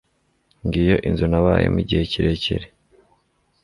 ngiyo inzu nabayemo igihe kirekire